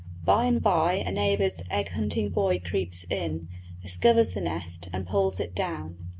By and by a neighbour's egg hunting boy creeps in, discovers the nest, and pulls it down.